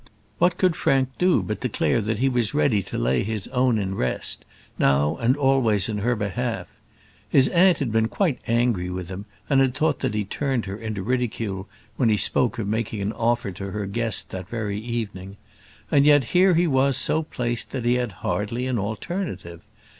What could Frank do but declare that he was ready to lay his own in rest, now and always in her behalf? His aunt had been quite angry with him, and had thought that he turned her into ridicule, when he spoke of making an offer to her guest that very evening; and yet here he was so placed that he had hardly an alternative.